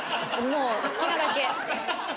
もう好きなだけ。